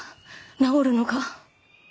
治るのか。